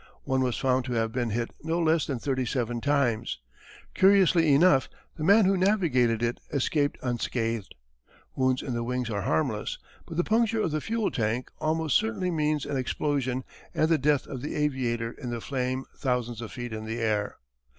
One was found to have been hit no less than thirty seven times. Curiously enough the man who navigated it escaped unscathed. Wounds in the wings are harmless. But the puncture of the fuel tank almost certainly means an explosion and the death of the aviator in the flame thousands of feet in the air.